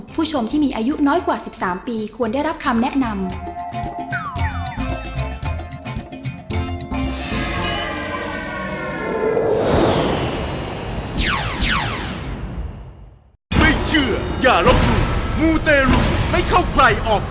ผู้ชมที่มีอายุน้อยกว่า๑๓ปีควรได้รับคำแนะนำ